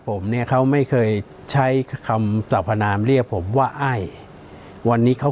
ผมเนี่ยเขาไม่เคยใช้คำสรรพนามเรียกผมว่าไอ้วันนี้เขา